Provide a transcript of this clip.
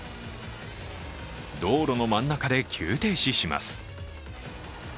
道路の真ん中で急停止します。